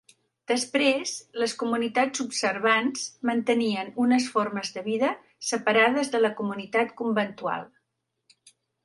Després, les comunitats observants mantenien unes formes de vida separades de la comunitat conventual.